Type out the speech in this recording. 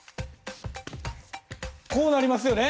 こうなりますよね？